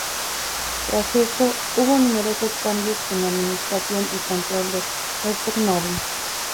Tras esto, hubo numerosos cambios en la administración y control de Herceg Novi.